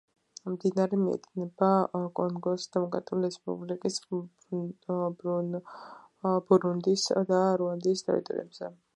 მდინარე მიედინება კონგოს დემოკრატიული რესპუბლიკის, ბურუნდის და რუანდის ტერიტორიებზე.